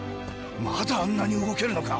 まだあんなに動けるのか。